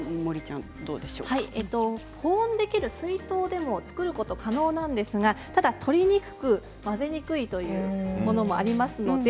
保温できる水筒でも造ることは可能ですが、とりにくく混ぜにくいというものがあります。